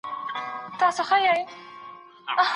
ایا ته پوهېږې چې تر لندن پورې څومره لاره پاتې ده؟